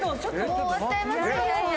もう終わっちゃいますよ。